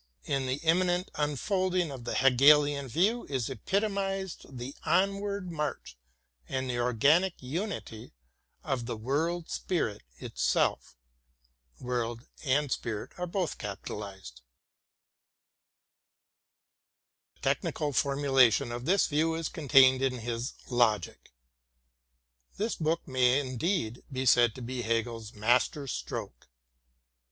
In the immanent unfolding of the Hegelian view is epitomized the onward march and the organic unity of the World Spirit itself. 10 THE GERMAN CLASSICS The technical formulation of this view is contained in his Logic. This book may indeed be said to be Hegel's mas ter stroke.